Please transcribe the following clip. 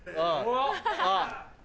あっ。